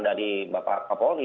dari bapak kapolri